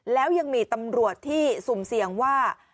แล้วยังมีตำรวจที่สุ่มเสี่ยงว่า